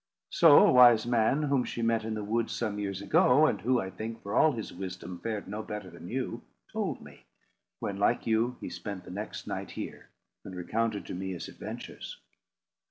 So a wise man, whom she met in the wood some years ago, and who, I think, for all his wisdom, fared no better than you, told me, when, like you, he spent the next night here, and recounted to me his adventures."